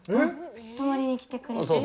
泊まりに来てくれてる？